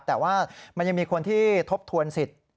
แต่ว่ามันยังมีคนที่ทบทวนสิทธิ์